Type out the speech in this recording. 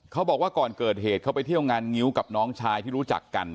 บอกว่าก่อนเกิดเหตุเขาไปเที่ยวงานงิ้วกับน้องชายที่รู้จักกัน